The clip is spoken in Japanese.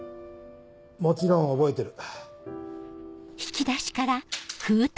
もちろん覚えてる。